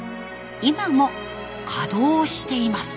今も稼働しています。